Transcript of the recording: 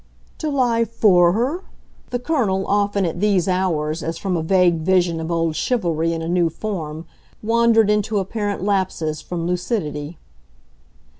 "To lie 'for' her?" The Colonel often, at these hours, as from a vague vision of old chivalry in a new form, wandered into apparent lapses from lucidity.